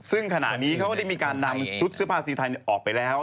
ซึ่งขณะนี้เขาก็ได้มีการนำชุดเสื้อผ้าสีไทยออกไปแล้ว